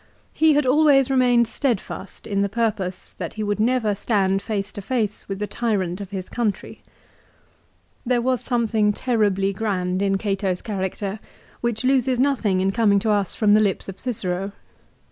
He had always remained steadfast in the purpose that he would never stand face to face with the tyrant of his country." 3 There was something terribly grand in Cato's character which loses nothing in coming to us from the lips of Cicero.